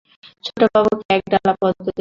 ছোটবাবুকে একডালা পদ্ম দেব।